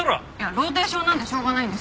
ローテーションなのでしょうがないんです。